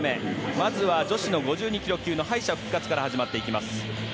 まずは女子５２ｋｇ級の敗者復活から始まっていきます。